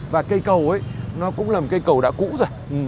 và cây cầu ấy nó cũng là một cây cầu đã cũ rồi